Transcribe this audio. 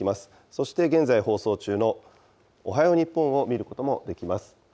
そして現在放送中のおはよう日本を見ることもできます。